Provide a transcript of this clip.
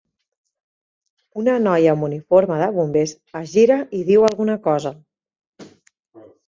Una noia amb un uniforme de bombers es gira i diu alguna cosa.